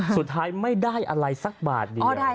สุดท้ายไม่ได้อะไรสักบาทเดียว